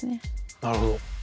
なるほど。